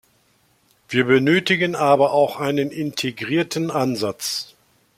Wir benötigen aber auch einen integrierten Ansatz.